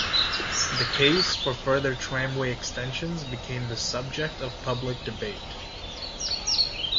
The case for further tramway extensions became the subject of public debate.